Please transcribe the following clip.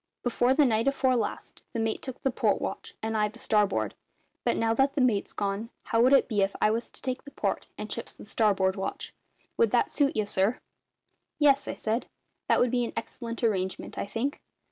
"Before the night afore last, the mate took the port watch, and I the starboard; but now that the mate's gone, how would it be if I was to take the port and Chips the starboard watch? Would that suit ye, sir?" "Yes," I said, "that would be an excellent arrangement, I think.